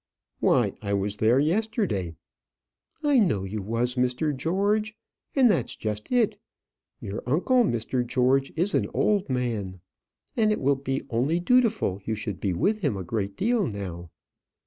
"Why, I was there yesterday." "I know you was, Mr. George; and that's just it. Your uncle, Mr. George, is an old man, and it will be only dutiful you should be with him a good deal now.